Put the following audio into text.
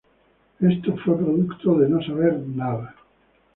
Esto fue producto de no saber nada.